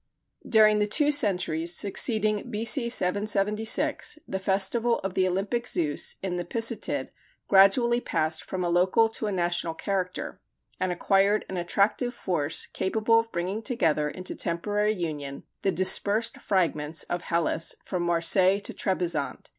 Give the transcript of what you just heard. During the two centuries succeeding B.C. 776, the festival of the Olympic Zeus in the Pisatid gradually passed from a local to a national character, and acquired an attractive force capable of bringing together into temporary union the dispersed fragments of Hellas, from Marseilles to Trebizond.